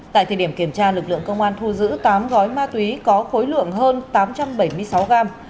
tại thời điểm kiểm tra lực lượng công an thu giữ tám gói ma túy có khối lượng hơn tám trăm bảy mươi sáu gram